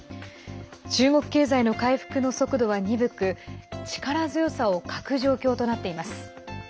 中国経済の回復の速度は鈍く力強さを欠く状況となっています。